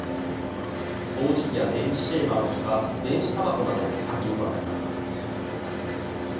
掃除機や電気シェーバーのほか、電子たばこなど、多岐にわたります。